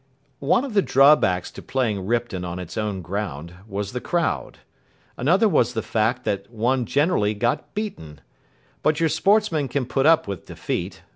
One of the drawbacks to playing Ripton on its own ground was the crowd. Another was the fact that one generally got beaten. But your sportsman can put up with defeat.